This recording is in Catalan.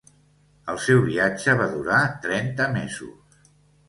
El seu viatge va durar trenta mesos.